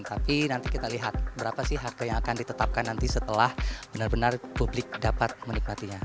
tapi nanti kita lihat berapa sih harga yang akan ditetapkan nanti setelah benar benar publik dapat menikmatinya